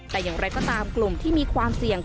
แต่อย่างไรก็ตามกลุ่มที่มีความเสี่ยง